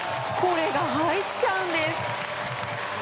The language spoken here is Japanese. これが入っちゃうんです！